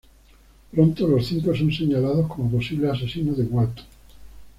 Pronto los cinco son señalados como posibles asesinos de Walton.